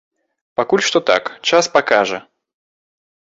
Пакуль што так, час пакажа.